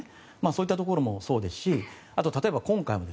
そういったところもそうですし今回も